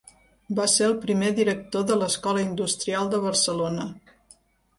Va ser el primer director de l'Escola Industrial de Barcelona.